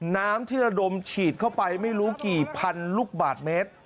น้ำที่ระดมฉีดเข้าไปไม่รู้กี่พันลูกบาทเมตร